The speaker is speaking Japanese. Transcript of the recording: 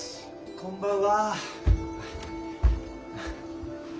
こんばんは。